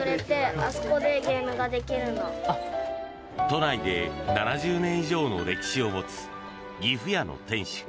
都内で７０年以上の歴史を持つぎふ屋の店主